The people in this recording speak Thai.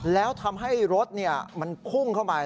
แล้วทำให้รถมันพุ่งเข้าไป